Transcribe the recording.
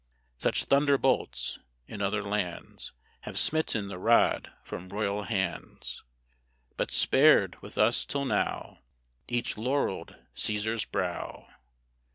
Such thunderbolts, in other lands, Have smitten the rod from royal hands, But spared, with us, till now, Each laurelled Cæsar's brow.